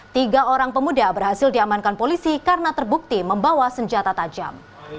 tiga orang pemuda berhasil diamankan polisi karena terbukti membawa senjata tajam